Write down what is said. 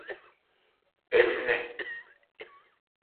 Ɛ li nnɛn ?